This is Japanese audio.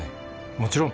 もちろん。